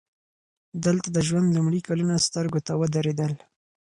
دلته د ژوند لومړي کلونه سترګو ته ودرېدل